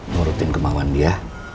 menurutin kemauan dia